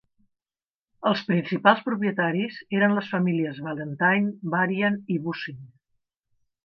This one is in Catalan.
Els principals propietaris eren les famílies Valentine, Varian i Bussing.